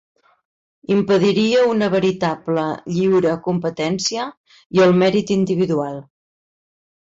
Impediria una veritable lliure competència i el mèrit individual.